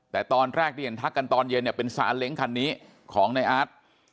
แต่ตอนแรกที่เห็นทักกันตอนเย็นเนี่ยเป็นซาเล้งคันนี้ของในอาร์ต